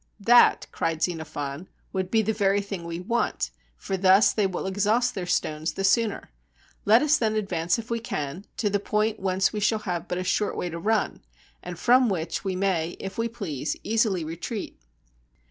"That," cried Xenophon, "would be the very thing we want, for thus they will exhaust their stones the sooner. Let us then advance, if we can, to the point whence we shall have but a short way to run, and from which we may, if we please, easily retreat."